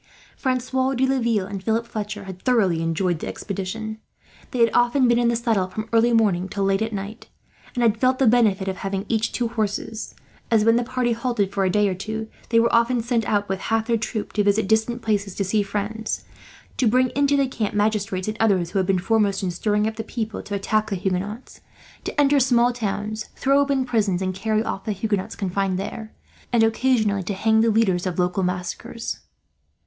Francois de Laville and Philip Fletcher had thoroughly enjoyed the expedition. They had often been in the saddle from early morning to late at night; and had felt the benefit of having each two horses as, when the party halted for a day or two, they were often sent out with half their troop to visit distant places to see friends; to bring into the camp magistrates, and others, who had been foremost in stirring up the people to attack the Huguenots; to enter small towns, throw open prisons and carry off the Huguenots confined there; and occasionally to hang the leaders of local massacres.